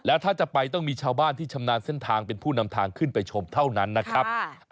แล้วถ้าจะไปต้องมีชาวบ้านที่ชำนาญเส้นทางเป็นผู้นำทางขึ้นไปชมเท่านั้นนะครับ